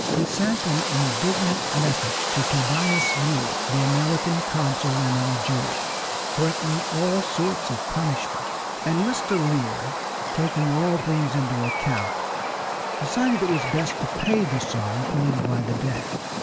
He sent an indignant message to Tobias Lear, the American consul at Algiers, threatening all sorts of punishments, and Mr. Lear, taking all things into account, decided it was best to pay the sum claimed by the Dey.